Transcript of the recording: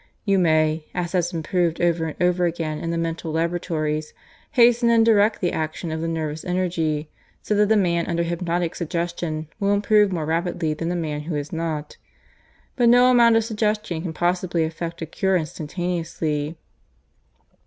You may as has been proved over and over again in the mental laboratories hasten and direct the action of the nervous energy, so that a man under hypnotic suggestion will improve more rapidly than a man who is not. But no amount of suggestion can possibly effect a cure instantaneously.